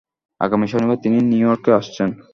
আগামী শনিবার তিনি নিউ ইয়র্কে আসছেন।